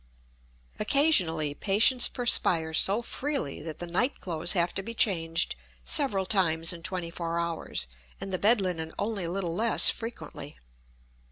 Occasionally patients perspire so freely that the night clothes have to be changed several times in twenty four hours, and the bed linen only a little less frequently.